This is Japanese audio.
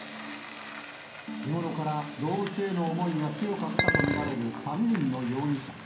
日頃から動物への思いが強かったと見られる３人の容疑者。